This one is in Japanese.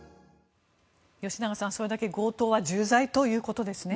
吉永さん、それだけ強盗は重罪ということですね。